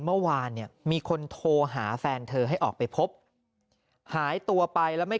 เมื่อวานเนี่ยมีคนโทรหาแฟนเธอให้ออกไปพบหายตัวไปแล้วไม่